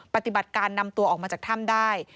ปฏิบัติการนำตัวออกมาจากถ้ำได้